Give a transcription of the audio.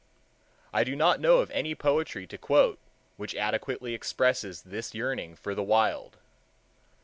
I do not know of any poetry to quote which adequately expresses this yearning for the Wild.